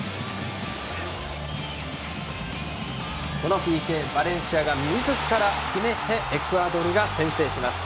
このＰＫをバレンシアがみずから決めてエクアドルが先制します。